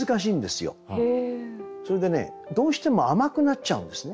それでねどうしても甘くなっちゃうんですね。